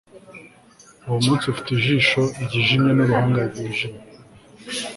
uwo munsi, ufite ijisho ryijimye n'uruhanga rwijimye